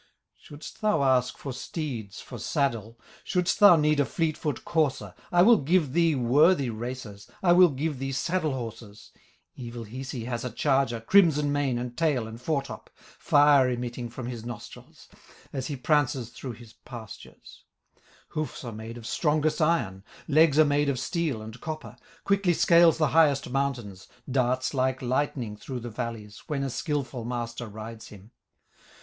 "Shouldst thou ask for steeds for saddle, Shouldst thou need a fleet foot courser, I will give thee worthy racers, I will give thee saddle horses; Evil Hisi has a charger, Crimson mane, and tail, and foretop, Fire emitting from his nostrils, As he prances through his pastures; Hoofs are made of strongest iron, Legs are made of steel and copper, Quickly scales the highest mountains, Darts like lightning through the valleys, When a skilful master rides him.